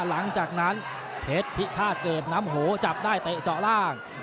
หลังจากนั้นเพชรพิฆาตเกิดน้ำโหจับได้เตะเจาะล่าง